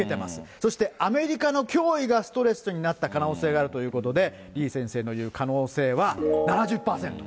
そしてアメリカの脅威がストレスになった可能性があるということで、李先生の言う可能性は７０％。